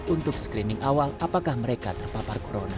untuk screening awal apakah mereka terpapar corona